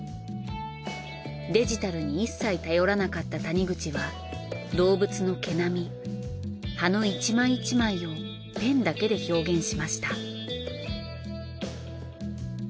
デジタルに一切頼らなかった谷口は動物の毛並み葉の１枚１枚をペンだけで表現しました。